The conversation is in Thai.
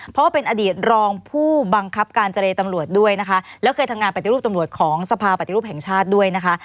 เพราะว่าเป็นอดีตรองผู้บังคับการเจรตำรวจด้วยนะคะแล้วเคยทำงานปฏิรูปตำรวจของสภาปฏิรูปแห่งชาติด้วยนะคะ